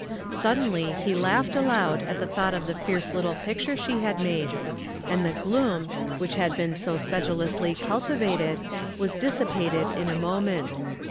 Suddenly he laughed aloud at the thought of the fierce little picture she had made, and the gloom, which had been so sedulously cultivated, was dissipated in a moment.